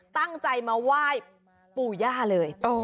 ตั้งใจมาไหว้ปู่ย่าเลย